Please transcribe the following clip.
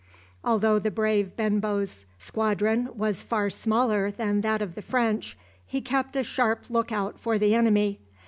Although the brave Benbow's squadron was far smaller than that of the French, he kept a sharp look out for the enemy.